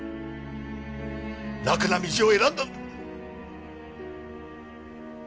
楽な道を選んだんだ！